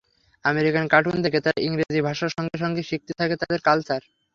American cartoon দেখে তারা ইংরেজি ভাষার সঙ্গে সঙ্গে শিখতে থাকে তাদের কালচার।